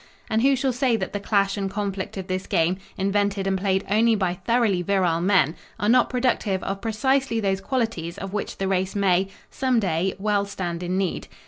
And who shall say that the clash and conflict of this game, invented and played only by thoroughly virile men, are not productive of precisely those qualities of which the race may, some day, well stand in need.